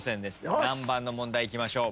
何番の問題いきましょう？